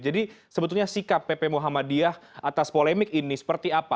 jadi sebetulnya sikap pp muhammadiyah atas polemik ini seperti apa